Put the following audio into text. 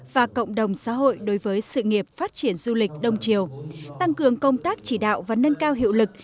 và cộng đồng xã hội đối với sự nghiệp phát triển du lịch đông triều tăng cường công tác chỉ đạo và nâng cao hiệu lực